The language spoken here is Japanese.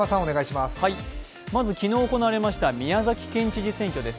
まず、昨日行われました宮崎県知事選挙です。